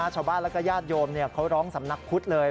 ชาวบ้านและก็ญาติโยมเขาร้องสำนักพุทธเลย